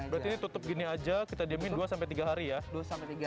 berarti ini tutup gini aja kita diemin dua sampai tiga hari ya